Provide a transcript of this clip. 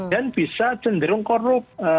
dan bisa cenderung korup